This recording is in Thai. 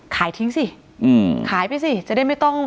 ขายทิ้งสิขายไปสิจะได้ไม่ต้อง